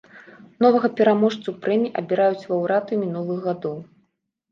Новага пераможцу прэміі абіраюць лаўрэаты мінулых гадоў.